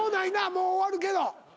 もう終わるけど。